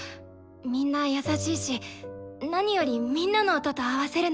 みんな優しいし何よりみんなの音と合わせるのが楽しいんだ！